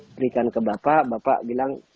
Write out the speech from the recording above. berikan ke bapak bapak bilang